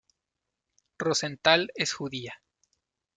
Rosenthal es judía.